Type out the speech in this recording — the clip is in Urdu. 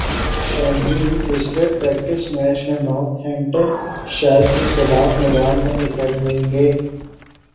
شاہین دوسرے پریکٹس میچ میں نارتھ ہمپٹن شائر کیخلاف میدان میں اتریں گے